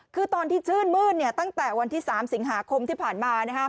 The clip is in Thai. คือตอนที่ชื่นมืดตั้งแต่วันที่๓สิงหาคมที่ผ่านมา